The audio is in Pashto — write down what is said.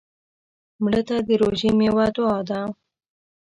مړه ته د روژې میوه دعا ده